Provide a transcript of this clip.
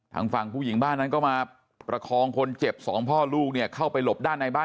ทางฝั่งผู้หญิงบ้านนั้นก็มาประคองคนเจ็บสองพ่อลูกเนี่ยเข้าไปหลบด้านในบ้าน